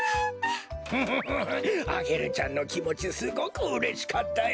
フフフフアゲルちゃんのきもちすごくうれしかったよ。